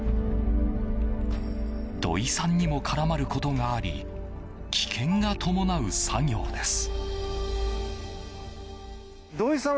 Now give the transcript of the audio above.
土井さんにも絡まることがあり危険が伴う作業です。